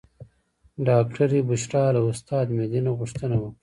ډاکټرې بشرا له استاد مهدي نه غوښتنه وکړه.